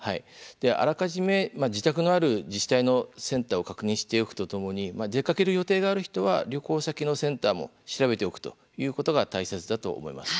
あらかじめ自宅のある自治体のセンターを確認しておくとともに出かける予定がある人は旅行先のセンターも調べておくということが大切だと思います。